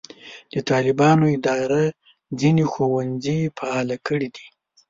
د طالبانو اداره ځینې ښوونځي فعاله کړي دي.